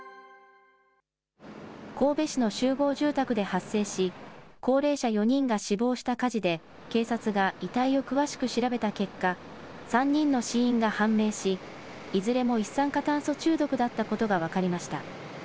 神戸市の集合住宅で発生し、高齢者４人が死亡した火事で警察が遺体を詳しく調べた結果、３人の死因が判明し、いずれも一酸化炭素中毒だったことが分かりました。